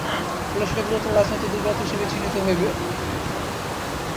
ফলে সেটা গুরুতর রাজনৈতিক দুর্বলতা হিসেবেই চিহ্নিত হবে।